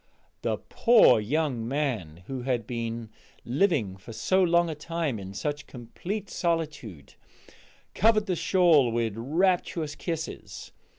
The poor young man, who had been living for so long a time in such complete solitude, covered the shawl with rapturous kisses.